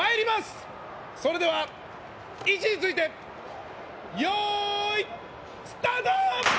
それでは位置についてよーい、スタート！